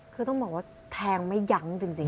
คือต้องบอกว่าแทงไม่ยั้งจริง